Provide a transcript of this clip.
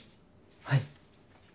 はい。